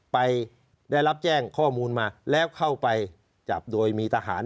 ไปได้รับแจ้งข้อมูลมาแล้วเข้าไปจับโดยมีทหาร